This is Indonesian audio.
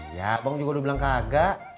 ya bang juga udah bilang kagak